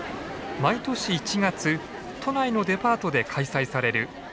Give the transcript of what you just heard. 毎年１月都内のデパートで開催される駅弁大会。